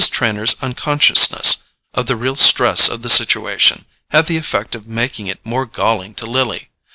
Trenor's unconsciousness of the real stress of the situation had the effect of making it more galling to Lily.